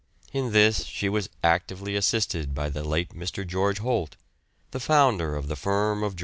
In this she was actively assisted by the late Mr. Geo. Holt, the founder of the firm of Geo.